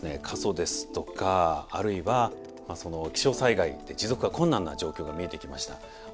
過疎ですとかあるいは気象災害で持続が困難な状況が見えてきました。